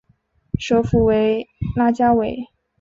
首府为拉加韦。